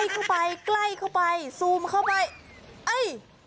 ใกล้เข้าไปซูมเข้าไป